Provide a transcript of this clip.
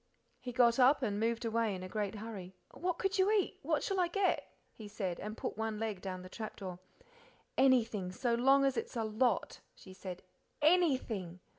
He got up and moved away in a great hurry. "What could you eat? what shall I get?" he said, and put one leg down the trap door. "Anything so long as it's a lot," she said "ANYTHING!